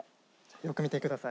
よく見てください。